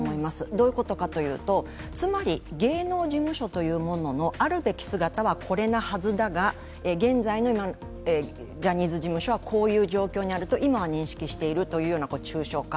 どういうことかというとつまり芸能事務所のあるべき姿というのはこれなはずだが、現在のジャニーズ事務所はこういう状況にあると今は認識しているというような抽象化。